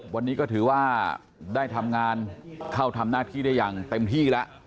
วันนี้ก็ถือว่าได้ทำงานเข้าทำหน้าที่ได้อย่างเต็มที่แล้ว